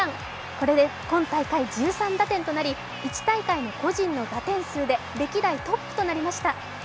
これで今大会１３打点となり１大会の個人の打点数で歴代トップとなりました。